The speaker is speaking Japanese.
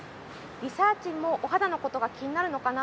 リサーちんもお肌のことが気になるのかな？